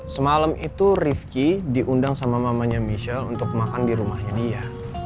semalam itu rifki diundang sama mamanya michelle untuk makan di rumahnya dia